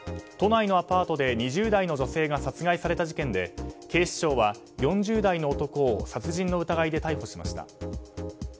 都内のアパートで２０代の女性が殺害された事件で警視庁は４０代の男を殺人の疑いで逮捕しました。